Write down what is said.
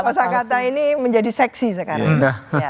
kosa kata ini menjadi seksi sekarang